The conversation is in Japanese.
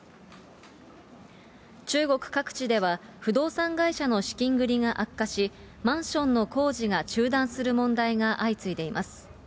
中国各地では、不動産会社の資金繰りが悪化し、マンションの工事が中断する問題が相次いでいます。